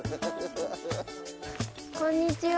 こんにちは。